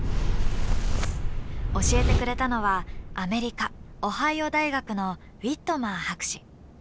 教えてくれたのはアメリカオハイオ大学のウィットマー博士。